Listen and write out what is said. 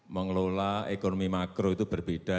mengelola ekonomi makro itu berbeda